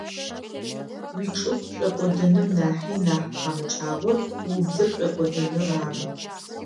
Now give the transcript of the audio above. Уичӏыгу пшӏокӏодыным нахьи нахь тхьамыкӏагъор убзэ пшӏокӏодыныр ары.